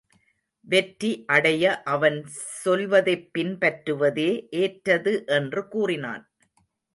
வெற்றி அடைய அவன் சொல்வதைப் பின் பற்றுவதே ஏற்றது என்று கூறினான்.